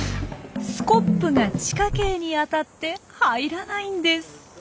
スコップが地下茎に当たって入らないんです。